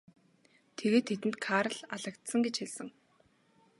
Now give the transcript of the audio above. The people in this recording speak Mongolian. Тэгээд тэдэнд Карл алагдсан гэж хэлсэн.